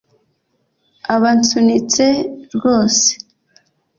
abansunitse rwose